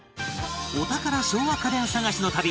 お宝昭和家電探しの旅